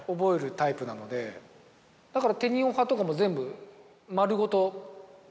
だから。